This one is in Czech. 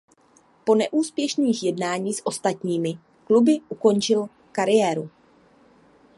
Po neúspěšných jednání s ostatními kluby ukončil kariéru.